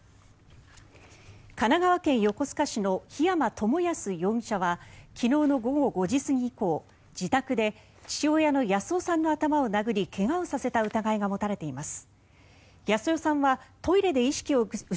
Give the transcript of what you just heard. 神奈川県横須賀市の檜山友康容疑者は昨日の午後５時過ぎ以降自宅で父親の康夫さんの頭を殴り怪我をさせた疑いが持たれています。